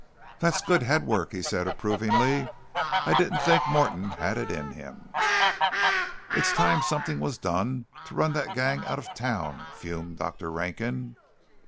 "That's good head work," he said approvingly. "I didn't think Morton had it in him." "It's time something was done to run that gang out of town," fumed Dr. Rankin.